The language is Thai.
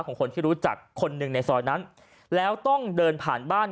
ของคนที่รู้จักคนหนึ่งในซอยนั้นแล้วต้องเดินผ่านบ้าน